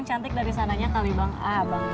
ini cantik dari sananya kali bang